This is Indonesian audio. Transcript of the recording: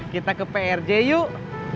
kita ke prj yuk